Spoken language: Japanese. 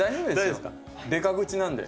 でか口なんで。